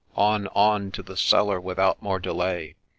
On, on to the cellar without more delay